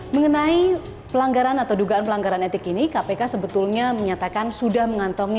mengenai pelanggaran atau dugaan pelanggaran etik ini kpk sebetulnya menyatakan sudah mengantongi